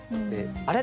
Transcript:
あれ？